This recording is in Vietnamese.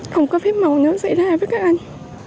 không có phép màu nếu xảy ra với các anh